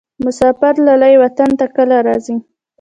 مسافر لالیه وطن ته کله راځې؟